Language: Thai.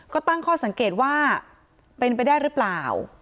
ก็ตั้งข้อสังเกตว่าเป็นไปได้หรือเปล่า